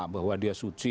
bahwa dia suci